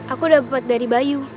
aku dapat dari bayu